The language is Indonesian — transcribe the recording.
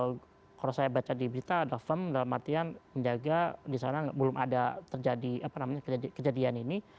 pemerintah udah sangat kalau saya baca di berita ada firm dalam artian menjaga di sana belum ada terjadi apa namanya kejadian ini